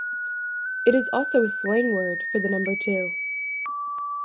It is also a slang word for the number two.